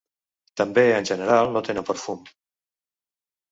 També en general no tenen perfum.